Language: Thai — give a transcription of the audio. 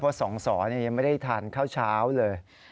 เพราะสองสอยังไม่ได้ทานข้าวเช้าเลย